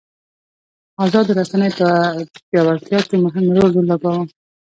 ازادو رسنیو په پیاوړتیا کې مهم رول ولوباوه.